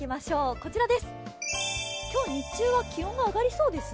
こちらです、今日、日中は気温が上がりそうですね。